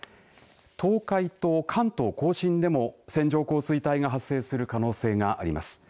東海と関東甲信でも線状降水帯が発生する可能性があります。